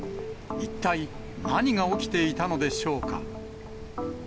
一体、何が起きていたのでしょうか。